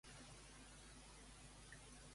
Què representava en una narració de l'Amduat?